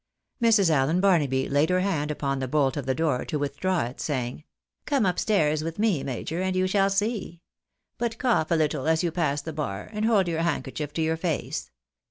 Mrs. Allen Barnaby laid her hand upon the bolt of the door to withdraw it, sayings —" Come up stairs with me, major, and you shall see. But cough a little as you pass by the bar, and hold your handkerchief to your face.